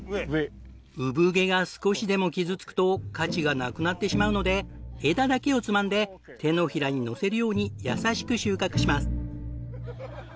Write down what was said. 産毛が少しでも傷つくと価値がなくなってしまうので枝だけをつまんで手のひらにのせるように優しく収穫します。